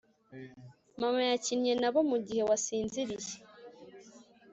mama yakinnye nabo mugihe wasinziriye